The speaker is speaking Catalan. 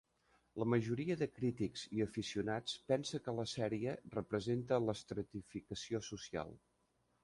La majoria de crítics i aficionats pensa que la sèrie representa l'estratificació social.